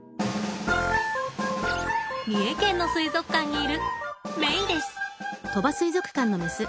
三重県の水族館にいるメイです。